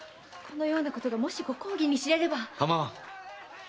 このようなことがもしご公儀に知れれば。